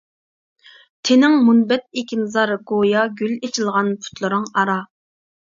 تېنىڭ مۇنبەت ئېكىنزار گويا گۈل ئېچىلغان پۇتلىرىڭ ئارا.